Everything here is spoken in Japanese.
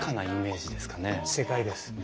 正解です！